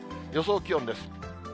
予想気温です。